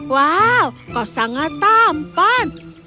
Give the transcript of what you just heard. wow kau sangat tampan